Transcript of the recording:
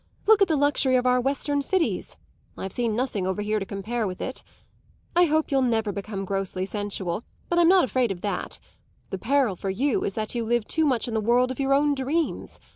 Look at the luxury of our western cities; I've seen nothing over here to compare with it. I hope you'll never become grossly sensual; but I'm not afraid of that. The peril for you is that you live too much in the world of your own dreams.